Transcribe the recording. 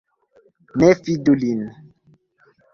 Ne fidu lin.